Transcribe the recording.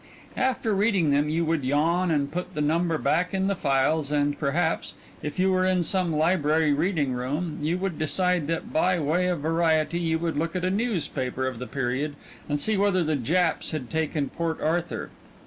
After reading them you would yawn and put the number back in the files, and perhaps, if you were in some library reading room, you would decide that by way of variety you would look at a newspaper of the period and see whether the Japs had taken Port Arthur.